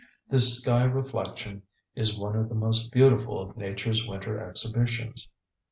This sky reflection is one of the most beautiful of Nature's winter exhibitions.